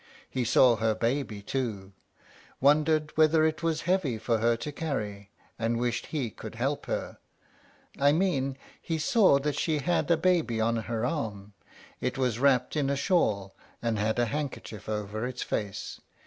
He saw her baby too, wondered whether it was heavy for her to carry, and wished he could help her. I mean, he saw that she had a baby on her arm. It was wrapped in a shawl, and had a handkerchief over its face.